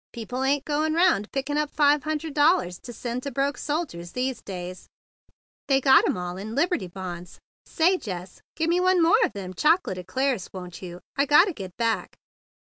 People ain't goin' round pickin' up five hun¬ dred dollarses to send to broke soldiers these days. They got 'um all in Liberty Bonds. Say, Jess, gimme one more o' 110 THE BIG BLUE SOLDIER them chocolate eclairs, won't you? I gotta get back."